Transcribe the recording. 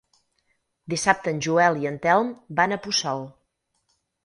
Dissabte en Joel i en Telm van a Puçol.